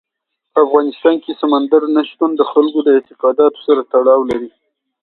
په افغانستان کې سمندر نه شتون د خلکو د اعتقاداتو سره تړاو لري.